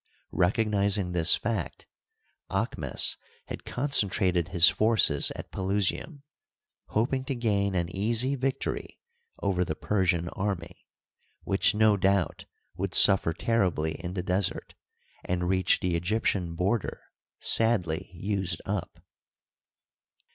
Recog nizing this fact, *Aahmes had concentrated his forces at Pelusium, hoping to gain an easy victory over the Persian army, which no doubt would suffer terribly in the desert, and reach the Egyptian border sadly used up.